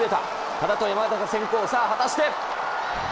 多田と山縣が先行、さあ果たして。